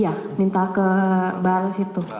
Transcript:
iya minta ke bar situ